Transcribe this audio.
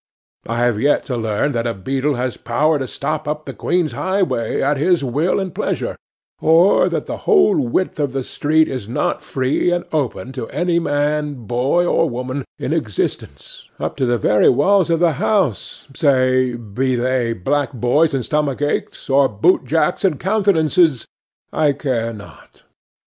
I have yet to learn that a beadle has power to stop up the Queen's highway at his will and pleasure, or that the whole width of the street is not free and open to any man, boy, or woman in existence, up to the very walls of the houses—ay, be they Black Boys and Stomach aches, or Boot jacks and Countenances, I care not.